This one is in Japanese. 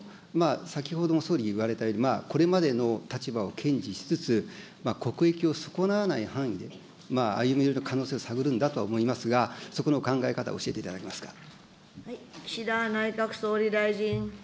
先ほども総理言われたように、これまでの立場を堅持しつつ、国益を損なわない範囲で、歩み寄りの可能性を探るんだとは思いますが、そこのお考え方を教えていただけますか。